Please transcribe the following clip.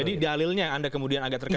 jadi dalilnya anda kemudian agak terkejut